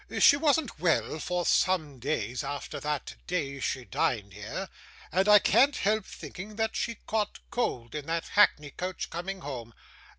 She wasn't well for some days after that day she dined here, and I can't help thinking, that she caught cold in that hackney coach coming home.